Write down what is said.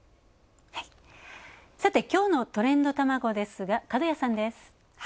さて今日のトレンドたまごですが、角谷さんです。